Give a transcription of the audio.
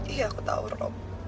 iya aku tahu rob